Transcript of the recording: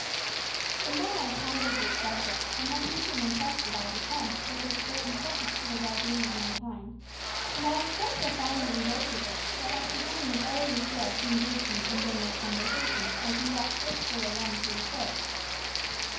The more I pondered this subject the more deeply impressed did I become with its great importance to the well being of mankind, and I was so profoundly engrossed with it that my companions utterly failed to engage me in general conversation as we walked briskly along through the forest.